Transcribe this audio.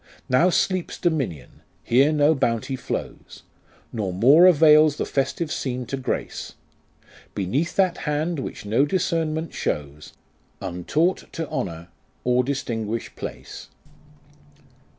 Now sleeps Dominion ; here no Bounty flows, Nor more avails the festive scene to grace, Beneath that hand which no discernment shows, Untaught to honour, or distinguish place.